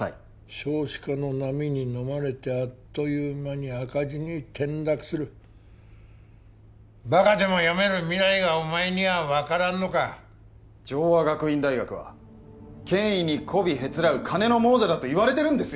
少子化の波にのまれてあっという間に赤字に転落するバカでも読める未来がお前には分からんのか城和学院大学は権威にこびへつらう金の亡者だと言われてるんですよ